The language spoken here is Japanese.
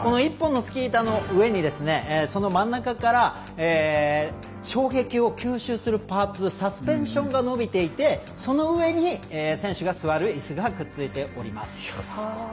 １本のスキー板の上にその真ん中から衝撃を吸収するパーツサスペンションが伸びていてその上に選手が座るいすがくっついております。